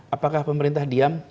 apakah pemerintah diam